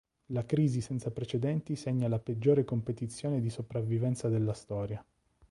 La crisi senza precedenti segna la "peggiore competizione di sopravvivenza della storia".